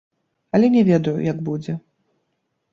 Але не ведаю, як будзе.